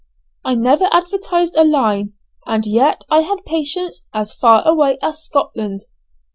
I never advertised a line, and yet I had patients as far away as Scotland.